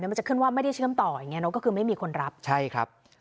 มันจะขึ้นว่าไม่ได้เชื่อมต่ออย่างเงี้เนอะก็คือไม่มีคนรับใช่ครับ